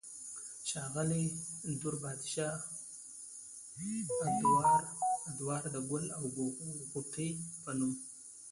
ښاغلي دور بادشاه ادوار د " ګل او غوټۍ" پۀ نوم